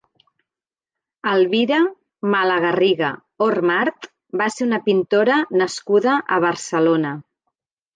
Elvira Malagarriga Ormart va ser una pintora nascuda a Barcelona.